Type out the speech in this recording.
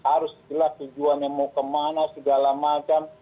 harus jelas tujuan yang mau ke mana segala macam